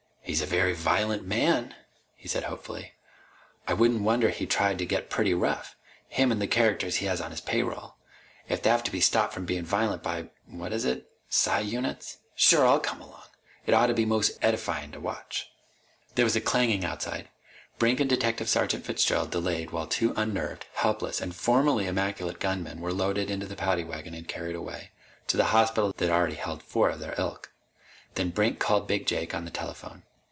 "He's a very violent man," he said hopefully. "I wouldn't wonder he tried to get pretty rough him and the characters he has on his payroll. If they have to be stopped from bein' violent by what is it? Psi units? Sure I'll come along! It'd ought to be most edifyin' to watch!" There was a clanging outside. Brink and Detective Sergeant Fitzgerald delayed while the two unnerved, helpless, and formerly immaculate gunmen were loaded into the paddy wagon and carried away to the hospital that already held four of their ilk. Then Brink called Big Jake on the telephone.